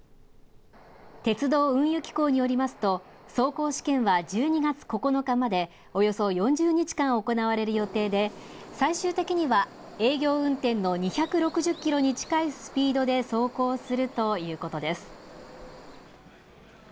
鉄道運輸機構によりますと、走行試験は１２月９日まで、およそ４０日間行われる予定で、最終的には営業運転の２６０キロに近いスピードで走行するということです。